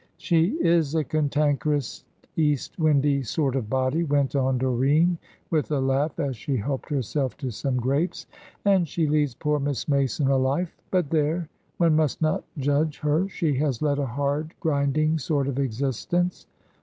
"She is a cantankerous, east windy sort of body," went on Doreen, with a laugh, as she helped herself to some grapes, "and she leads poor Miss Mason a life. But there! one must not judge her, she has led a hard, grinding sort of existence.